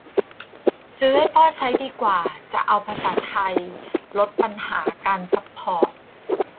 ซื้อให้พ่อใช้ดีกว่า จะเอาภาษาไทย ลดปัญหาการซัพพอร์ต !